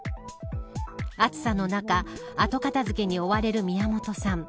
暑さの中、後片付けに追われる宮本さん。